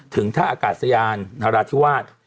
ถึงท่าอากาศยานนราธิวาส